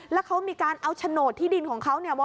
แล้วเขามีการเอาโฉนดที่ดินของเขาเนี่ย